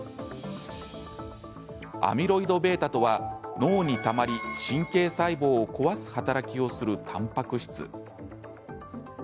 アミロイドβとは脳にたまり神経細胞を壊す働きをするたんぱく質。